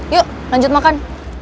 yuk lanjut makan